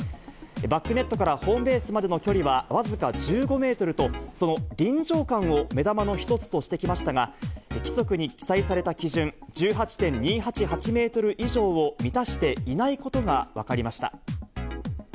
バックネットからホームベースまでの距離は僅か１５メートルと、その臨場感を目玉の一つとしてきましたが、規則に記載された基準、１８．２８８メートル以上を満たしていないことが分かりました。